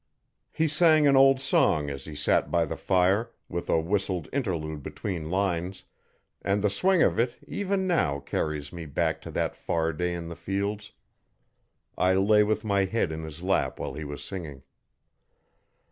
He sang an old song as he sat by the fire, with a whistled interlude between lines, and the swing of it, even now, carries me back to that far day in the fields. I lay with my head in his lap while he was singing.